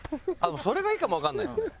それがいいかもわかんないですね。